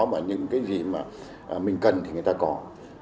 và những cái gì mà mình cần thì người ta không có